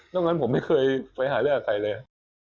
ตรงนั้นผมไม่เคยไปหาเรื่องกับใครเลย